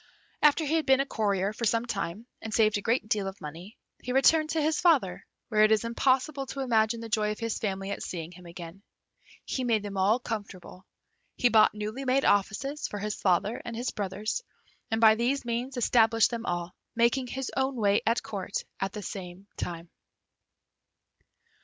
After he had been a courier for some time, and saved a great deal of money, he returned to his father, where it is impossible to imagine the joy of his family at seeing him again. He made them all comfortable. He bought newly made offices for his father and his brothers, and by these means established them all, making his own way at Court at the same time.